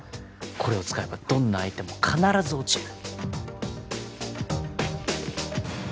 これを使えばどんな相手も必ず落ちる。